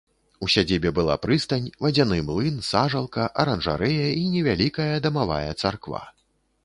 У сядзібе была прыстань, вадзяны млын, сажалка, аранжарэя і невялікая дамавая царква.